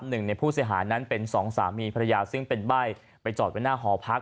หนึ่งในผู้เสียหายนั้นเป็นสองสามีภรรยาซึ่งเป็นใบ้ไปจอดไว้หน้าหอพัก